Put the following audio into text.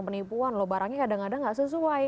penipuan loh barangnya kadang kadang nggak sesuai